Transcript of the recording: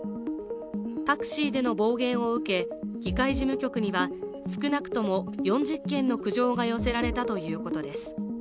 タクシーでの暴言を受け、議会事務局には少なくとも４０件の苦情が寄せられたということです。